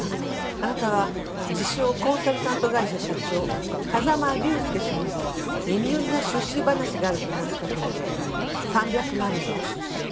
あなたは自称コンサルタント会社社長風間隆介さんより耳寄りな出資話があると持ちかけられ３００万円を出資。